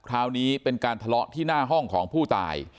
คราวนี้เป็นการทะเลาะที่หน้าห้องของผู้ตาย